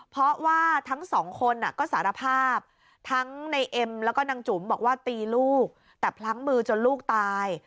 เพราะว่าทั้งสองคนก็สารภาพทั้งในเอ็มแล้วก็นางจุ๋มบอกว่าตีลูกแต่พลั้งมือจนลูกตาย